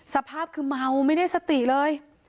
สภาพคือเมาไม่ได้สติเลย